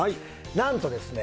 なんとですね